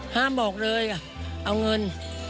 ห้ามบอกเลยเอาเงิน